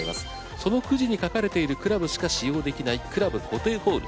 そのくじに書かれているクラブしか使用できないクラブ固定ホール。